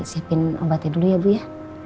siapin obatnya dulu ya bu ya